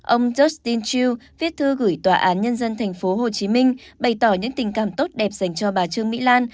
ông justin true viết thư gửi tòa án nhân dân tp hcm bày tỏ những tình cảm tốt đẹp dành cho bà trương mỹ lan